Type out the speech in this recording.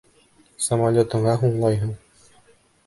Самолетыңа һуңлайһың!